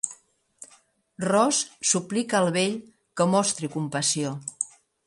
Ross suplica el vell que mostri compassió.